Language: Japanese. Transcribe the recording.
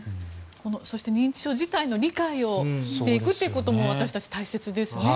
そして認知症自体の理解をしていくということも私たち大切ですね。